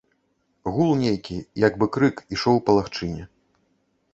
Гул нейкі, як бы крык, ішоў па лагчыне.